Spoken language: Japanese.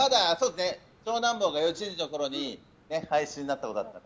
長男坊が幼稚園児のころに廃止になったことあったね。